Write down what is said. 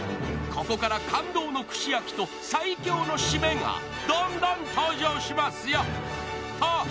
ここから感動の串焼きと最強の締めがどんどん登場しますよ